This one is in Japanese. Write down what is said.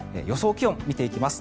気温を見ていきます。